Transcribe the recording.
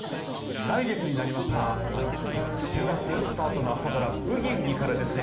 来月になりました１０月スタートの朝ドラブギウギからですね